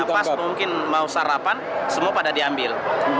pas mungkin mau sarapan semua pada diambil